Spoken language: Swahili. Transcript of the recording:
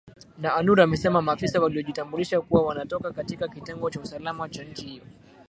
na anur amesema maafisa waliojitambulisha kuwa wanatoka katika kitengo cha usalama cha nchi hiyo